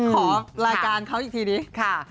ขอรายการเขาอีกทีดีค่ะ